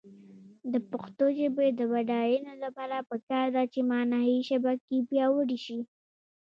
د پښتو ژبې د بډاینې لپاره پکار ده چې معنايي شبکې پیاوړې شي.